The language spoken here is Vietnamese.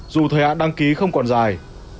dù thời hạn đăng ký không còn dài